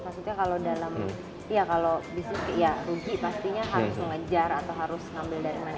maksudnya kalau dalam ya kalau bisnis ya rugi pastinya harus mengejar atau harus ngambil dari mana